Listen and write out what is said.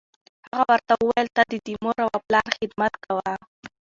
هغه ورته وویل: ته دې د مور و پلار خدمت کوه.